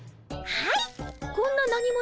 はい！